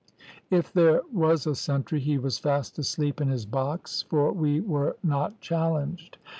If there was a sentry, he was fast asleep in his box, for we were not challenged.